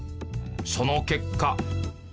その結果。